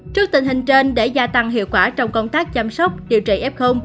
trước tình hình trên để gia tăng hiệu quả trong công tác chăm sóc điều trị f